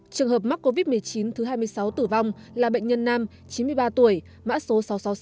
trường hợp mắc covid một mươi chín thứ hai mươi sáu tử vong là bệnh nhân nam chín mươi ba tuổi mã số sáu trăm sáu mươi sáu